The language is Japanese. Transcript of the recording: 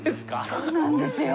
そうなんですよ。